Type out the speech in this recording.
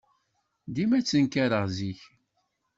Dima ttenkareɣ zik.